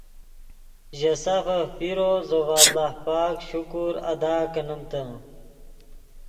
ژے سافف پیرو زو ڤے اللہ پاک شکر ادا کنیمتے